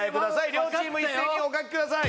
両チーム一斉にお書きください！